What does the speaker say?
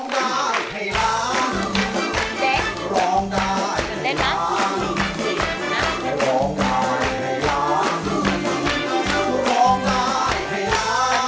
เจ้นเต้นแล้ว